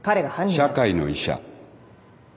社会の医者。